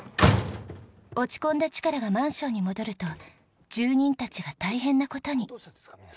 落ち込んだチカラがマンションに戻ると住人たちが大変な事に。